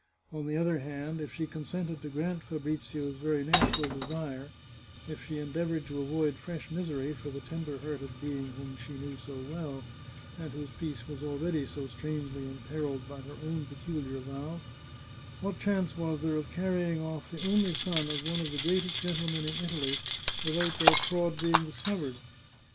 On the other hand, if she consented to grant Fabrizio's very natural desire, if she endeavoured to avoid fresh misery for the tender hearted being whom she knew so well, and whose peace was already so strangely imperilled by her own peculiar vow, what chance was there of carrying oflf the only son of one of the greatest gentlemen in Italy without the fraud being discovered?